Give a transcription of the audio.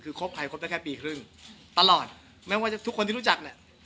คือคบใครคบได้แค่ปีครึ่งตลอดแม้ว่าทุกคนที่รู้จักเนี่ย